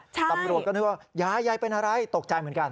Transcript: ตำรวจก็นึกว่ายายยายเป็นอะไรตกใจเหมือนกัน